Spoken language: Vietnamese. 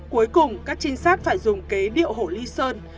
cuối cùng các trinh sát phải dùng kế điệu hổ ly sơn